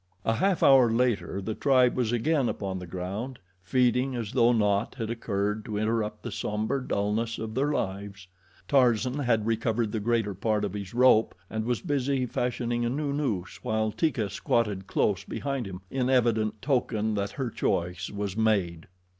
A half hour later the tribe was again upon the ground, feeding as though naught had occurred to interrupt the somber dullness of their lives. Tarzan had recovered the greater part of his rope and was busy fashioning a new noose, while Teeka squatted close behind him, in evident token that her choice was made.